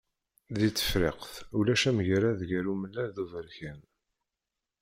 Di Tefriqt, ulac amgarad gar umellal d uberkan.